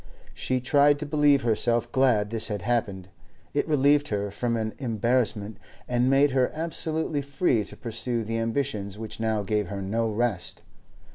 She tried to believe herself glad this had happened; it relieved her from an embarrassment, and made her absolutely free to pursue the ambitions which now gave her no rest.